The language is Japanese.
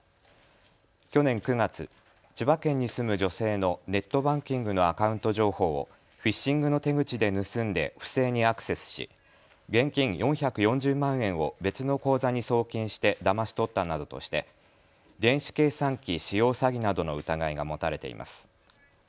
去年９月、千葉県に住む女性のネットバンキングのアカウント情報をフィッシングの手口で盗んで不正にアクセスし現金４４０万円を別の口座に送金してだまし取ったなどとして電子計算機使用詐欺などの疑いが持たれています。